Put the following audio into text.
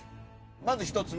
まず１つ目。